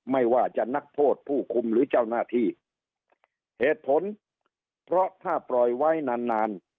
ไม่ว่าจะนักโทษผู้คุมหรือเจ้าหน้าที่เหตุผลเพราะถ้าปล่อยไว้นานนาน